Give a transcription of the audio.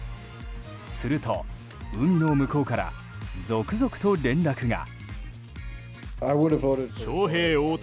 すると、海の向こうから続々と、連絡が。